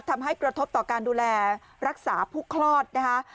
ทำให้กระทบต่อการดูแลรักษาผู้คลอดนะคะ